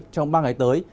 trong ba ngày tới